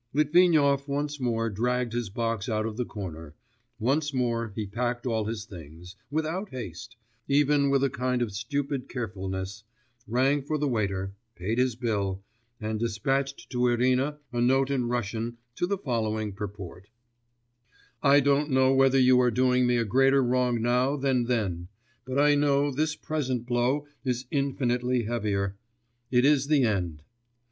Litvinov once more dragged his box out of the corner, once more he packed all his things, without haste, even with a kind of stupid carefulness, rang for the waiter, paid his bill, and despatched to Irina a note in Russian to the following purport: 'I don't know whether you are doing me a greater wrong now than then; but I know this present blow is infinitely heavier.... It is the end.